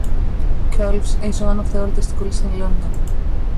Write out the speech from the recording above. Colfe's is one of the oldest schools in London.